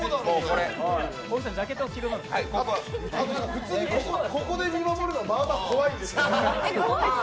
普通にここで見守るの、まあまあ怖いんですけど。